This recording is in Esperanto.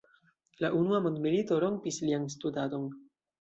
La unua mondmilito rompis lian studadon.